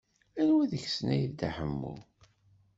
Anwa deg-sen ay n Dda Ḥemmu?